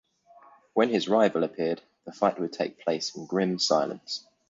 When his rival appeared, the fight would take place in grim silence.